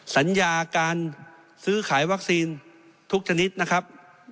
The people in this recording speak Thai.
สัญญาการซื้อขายวัคซีนทุกชนิดนะครับ